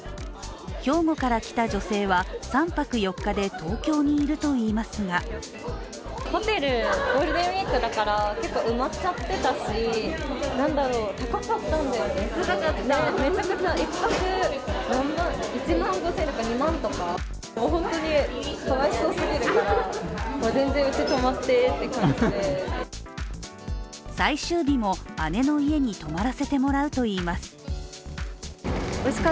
兵庫から来た女性は３泊４日で東京にいるといいますが最終日も姉の家に泊まらせてもらうといいます。